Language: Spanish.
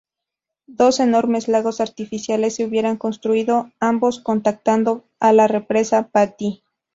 Dos enormes lagos artificiales se hubieran construido, ambos contactando a la represa Patí.